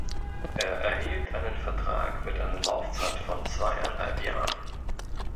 Er erhielt einen Vertrag mit einer Laufzeit von zweieinhalb Jahren.